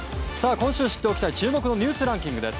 今週知っておきたい注目ニュースランキングです。